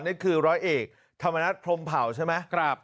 นี่คือร้อยเอกธรรมนัฐพรมเผาใช่ไหม